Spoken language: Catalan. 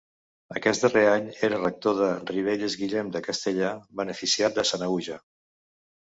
Aquest darrer any era rector de Ribelles Guillem de Castellar, beneficiat de Sanaüja.